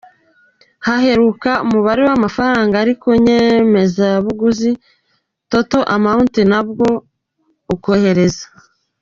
Haheruka umubare w’amafaranga ari ku nyemezabuguzi Total amount na bwo ukohereza.